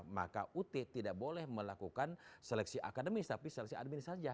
maka ut tidak boleh melakukan seleksi akademis tapi seleksi adminis saja